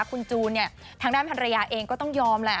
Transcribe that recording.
คุณจูนเนี่ยทางด้านภรรยาเองก็ต้องยอมแหละ